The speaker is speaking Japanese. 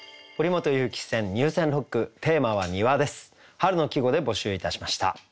春の季語で募集いたしました。